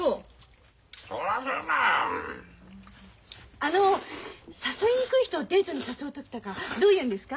あの誘いにくい人をデートに誘う時とかどう言うんですか？